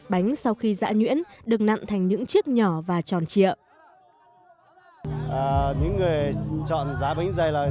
bánh sau khi giã nhuyễn được nặng thành những chiếc nhỏ và tròn trịa